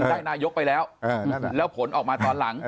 นายกไปแล้วแล้วผลออกมาตอนหลัง